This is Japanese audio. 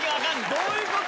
どういうこと？